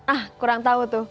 ah kurang tau tuh